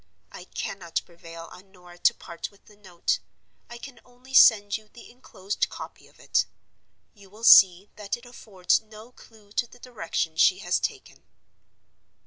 I cannot prevail on Norah to part with the note; I can only send you the inclosed copy of it. You will see that it affords no clue to the direction she has taken.